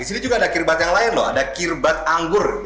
di sini juga ada kirbat yang lain loh ada kirbat anggur